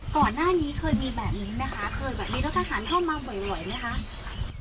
ก่อนหน้านี้เคยมีแบบนี้ไหมคะเคยแบบมีรถทหารเข้ามาบ่อยไหมคะ